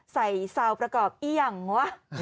ใส่เซาประกอบอี้ยังวะ